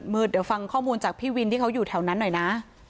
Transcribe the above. เดี๋ยวฟังข้อมูลจากพี่วินที่เขาอยู่แถวนั้นหน่อยนะ